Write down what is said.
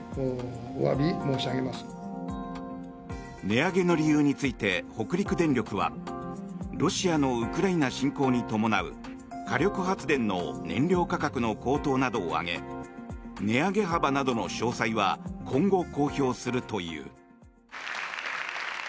値上げの理由について北陸電力はロシアのウクライナ侵攻に伴う火力発電の燃料価格の高騰などを挙げ値上げ幅などの詳細は今後、公表するという。